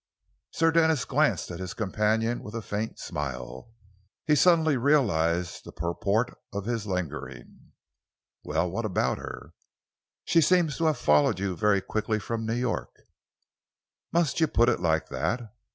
Sir Denis glanced at his companion with a faint smile. He suddenly realised the purport of his lingering. "Well, what about her?" "She seems to have followed you very quickly from New York." "Must you put it like that?